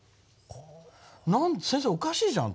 「何で先生おかしいじゃん。